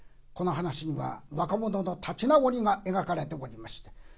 この噺には若者の立ち直りが描かれておりまして。